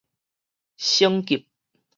省級